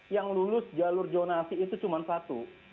yang lulus jalur zonasi itu cuma satu